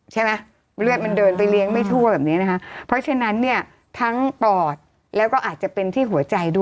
ใช่มั้ยเลือดมันเดินไปเลี้ยงไม่ทั่วแบบนี้นะคะ